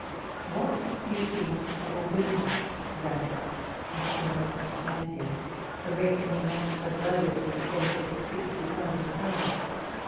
What do you think of a winter Ranelagh (the Pantheon) erecting in Oxford Road, at the ex pense of sixty thousand pounds